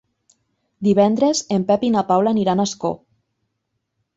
Divendres en Pep i na Paula aniran a Ascó.